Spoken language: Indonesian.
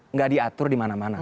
nggak diatur di mana mana